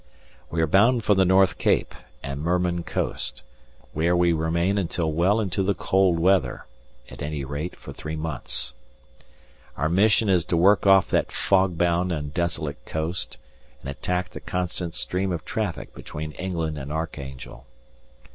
We are bound for the North Cape and Murman Coast, where we remain until well into the cold weather at any rate, for three months. Our mission is to work off that fogbound and desolate coast, and attack the constant stream of traffic between England and Archangel.